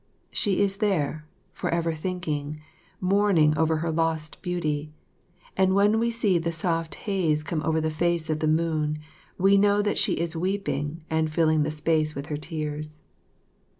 She is there, forever thinking, mourning over her lost beauty, and when we see the soft haze come over the face of the moon, we know that she is weeping and filling the space with her tears.